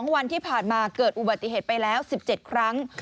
วันที่ผ่านมาเกิดอุบัติเหตุไปแล้ว๑๗ครั้ง